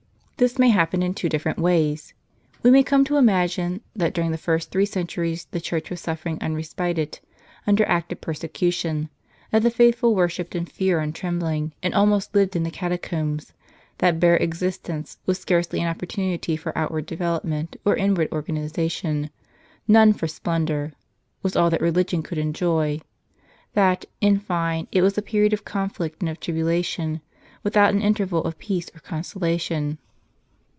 This may happen in two different ways. We may come to imagine, that during the first three cen turies the Church was suffering unrespited, under active persecution; that the faithful worshipped in fear and trembling, and almost lived in the catacombs; that bare existence, with scarcely an opportunity for outward develop ment or inward organization, none for splendor, was all that religion could enjoy ; that, in fine, it was a period of conflict and of tribulation, without an interval of peace or consolation.